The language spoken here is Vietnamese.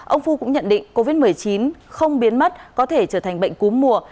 ông phu cũng nhận định covid một mươi chín không biến mất có thể trở thành bệnh cú mùa